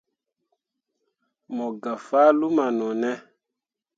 Mo gah fah luma no ne.